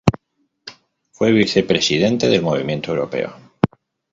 Fue vicepresidente del Movimiento Europeo.